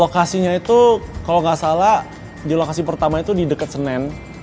lokasinya itu kalau nggak salah di lokasi pertama itu di dekat senen